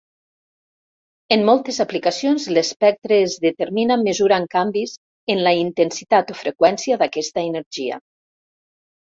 En moltes aplicacions l'espectre es determina mesurant canvis en la intensitat o freqüència d'aquesta energia.